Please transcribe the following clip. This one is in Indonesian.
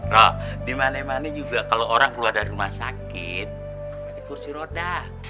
roh dimana mana juga kalau orang keluar dari rumah sakit kursi roda